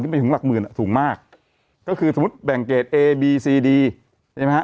ไปถึงหลักหมื่นอ่ะสูงมากก็คือสมมุติแบ่งเกรดเอบีซีดีใช่ไหมฮะ